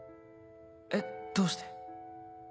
えっどうして？